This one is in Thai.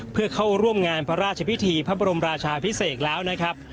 เพื่อเข้าร่วมงานพระราชพิธีพระบรมราชาพิเศษแล้วนะครับ